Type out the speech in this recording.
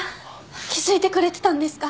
気付いてくれてたんですか？